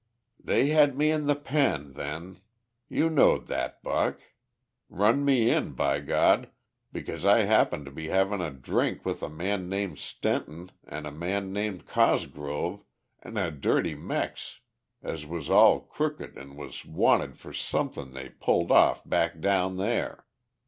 "They had me in the pen, then; you knowed that, Buck? Run me in, by Gawd, because I happened to be havin' a drink with a man named Stenton an' a man named Cosgrove an' a dirty Mex as was all crooked an' was wanted for somethin' they pulled off back down there